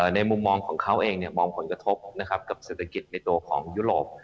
ในมุมมองของเขาเองมองผลกระทบกับเศรษฐกิจในตัวของยุโรป